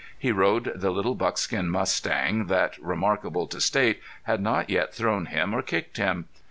He rode the little buckskin mustang, that, remarkable to state, had not yet thrown him or kicked him.